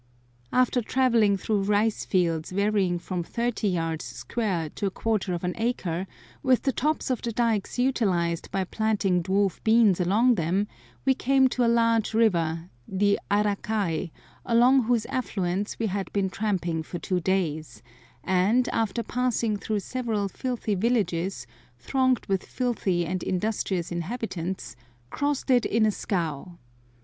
After travelling through rice fields varying from thirty yards square to a quarter of an acre, with the tops of the dykes utilised by planting dwarf beans along them, we came to a large river, the Arakai, along whose affluents we had been tramping for two days, and, after passing through several filthy villages, thronged with filthy and industrious inhabitants, crossed it in a scow.